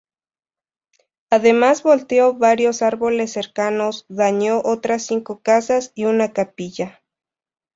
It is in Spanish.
Además, volteó varios árboles cercanos, dañó otras cinco casas y una capilla.